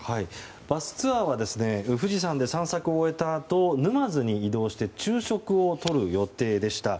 バスツアーは富士山で散策を終えたあと沼津に移動して昼食をとる予定でした。